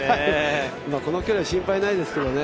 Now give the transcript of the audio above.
この距離は心配ないですけどね